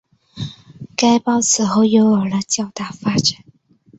该报此后又有了较大发展。